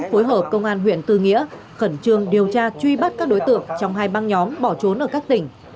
phối hợp công an huyện tư nghĩa khẩn trương điều tra truy bắt các đối tượng trong hai băng nhóm bỏ trốn ở các tỉnh